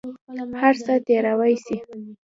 هر څه تېروى سي.